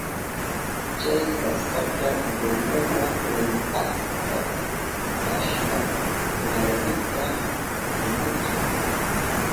Chay tasaka lumuwa untakta kashpan warmita kumuchin.